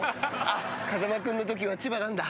風間君のときは千葉なんだ。